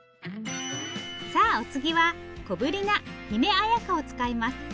さあお次は小ぶりなひめあやかを使います。